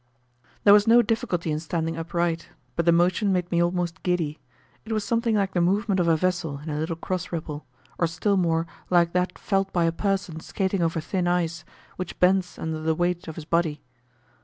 There was no difficulty in standing upright, but the motion made me almost giddy: it was something like the movement of a vessel in a little cross ripple, or still more like that felt by a person skating over thin ice, which bends under the weight of his body.